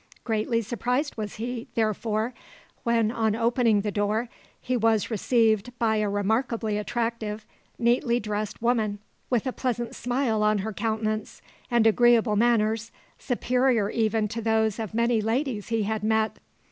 Greatly surprised was he, therefore, when, on opening the door, he was received by a remarkably attractive, neatly dressed woman, with a pleasant smile on her countenance, and agreeable manners, superior even to those of many ladies he had met.